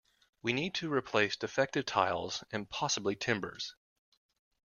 We need to replace defective tiles, and possibly timbers.